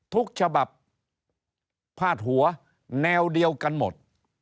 ทุกฉบับพาดหัวแนวเดียวกันหมด